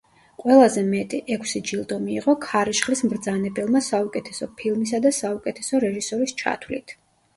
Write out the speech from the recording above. ყველაზე მეტი, ექვსი ჯილდო მიიღო „ქარიშხლის მბრძანებელმა“ საუკეთესო ფილმისა და საუკეთესო რეჟისორის ჩათვლით.